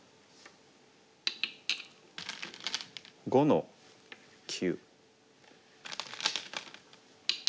５の九。